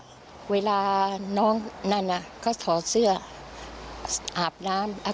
เวลาน้องนั่นก็ถอดเสื้ออาบน้ำ